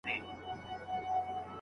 آیا درملنه د جسم اصلي ساتنه ګڼل کيږي؟